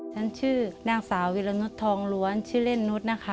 ฉันชื่อนางสาววิลนุธทองรวรชื่อเล่นนุธนะคะ